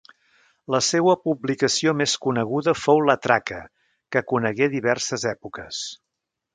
La seua publicació més coneguda fou La Traca, que conegué diverses èpoques.